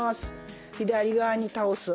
左側に倒す。